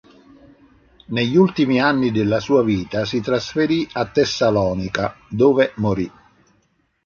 Negli ultimi anni della sua vita si trasferì a Tessalonica, dove morì.